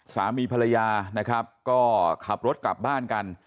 สามีภรรยานะครับก็ขับรถกลับบ้านกัน